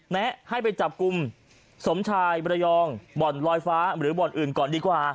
แนะให้ไปจับกลุ่มสมชายบรยองบ่อนลอยฟ้าหรือบ่อนอื่นก่อนดีกว่า